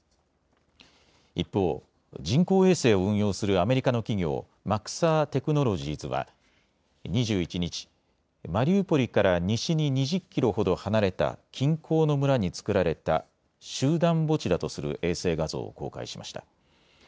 一方、人工衛星を運用するアメリカの企業マクサー・テクノロジーズは２１日、マリウポリから西に２０キロほど離れた近郊の村に作られた集団墓地だとする衛星画像を公開しました。